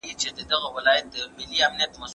ګرځم پر مدار د دایرې تر سحر نه راځې